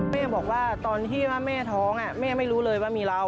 แม่บอกว่าตอนที่ว่าแม่ท้องแม่ไม่รู้เลยว่ามีเรา